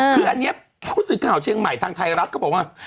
คืออันนี้ผู้สื่อข่าวเชียงใหม่ทางไทยรัฐเขาบอกว่า